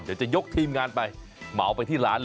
เดี๋ยวจะยกทีมงานไปเหมาไปที่ร้านเลย